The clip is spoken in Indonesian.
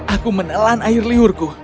aku menelan air liurku